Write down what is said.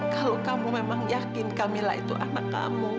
kalau kamu memang yakin kamilah itu anak kamu